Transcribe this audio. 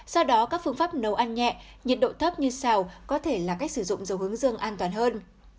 do đó các phương pháp nấu ăn nhẹ nhiệt độ thấp như xào có thể là cách sử dụng dầu hướng dương an toàn hơn